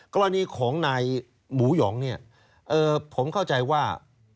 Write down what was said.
กรณีของนายหมูหยองเนี่ยผมเข้าใจว่า